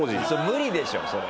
無理でしょそれ。